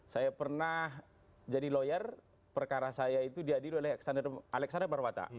saya pernah jadi lawyer perkara saya itu diadili oleh alexander marwata